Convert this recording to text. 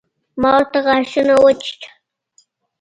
ما ورته غاښونه وچيچل.